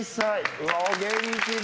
うわ、お元気で。